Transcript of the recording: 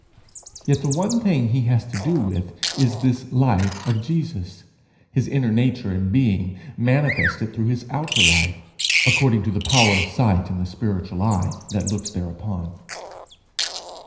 Yet the one thing he has to do with is this life of Jesus, his inner nature and being, manifested through his outer life, according to the power of sight in the spiritual eye that looks thereupon.